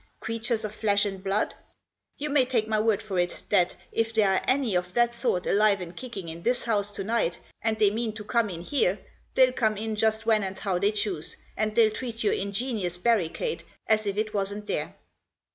Creatures of flesh and blood ? You may take my word for it that if there are any of that sort alive and kicking in this house to night, and they mean to come in here, they'll come in just when and how they choose, and they'll treat your ingenious barricade as if it wasn't there."